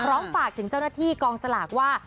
ฝากถึงเจ้าหน้าที่กองสลากว่า